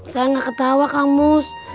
saya gak ketawa kangmus